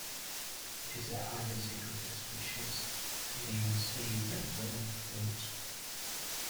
It is a highly secretive species, feeding on seeds and fallen fruits.